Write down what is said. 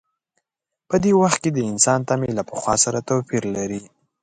په دې وخت کې د انسان تمې له پخوا سره توپیر لري.